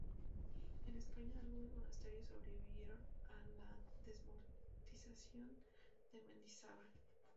En España algunos monasterios sobrevivieron a las desamortización de Mendizábal.